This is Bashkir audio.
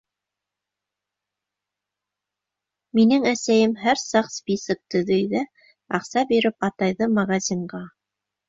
Минең әсәйем һәр саҡ список төҙөй ҙә аҡса биреп атайҙы магазинға...